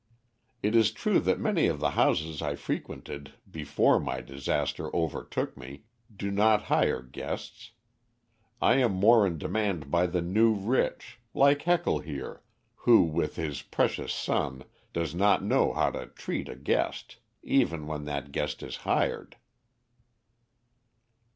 It is true that many of the houses I frequented before my disaster overtook me, do not hire guests. I am more in demand by the new rich, like Heckle here, who, with his precious son, does not know how to treat a guest, even when that guest is hired."